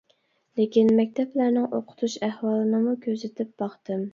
لېكىن مەكتەپلەرنىڭ ئوقۇتۇش ئەھۋالىنىمۇ كۆزىتىپ باقتىم.